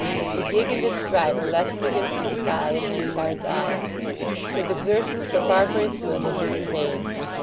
The gig and its driver lessened against the sky in Henchard's eyes; his exertions for Farfrae's good had been in vain.